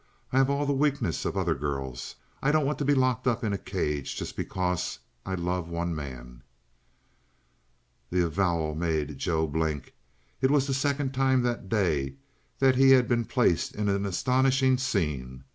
I have all the weakness of other girls. I don't want to be locked up in a cage just because I love one man!" The avowal made Joe blink. It was the second time that day that he had been placed in an astonishing scene.